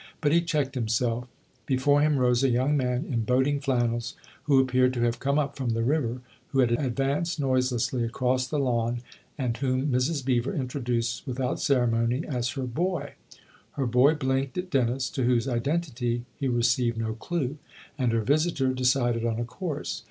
But he checked himself; before him rose a young man in boating flannels, who appeared to have come up from the river, who. had advanced noiselessly across the lawn and whom Mrs. Beever introduced with out ceremony as her " boy." Her boy blinked at Dennis, to whose identity he received no clue ; and her visitor decided on a course.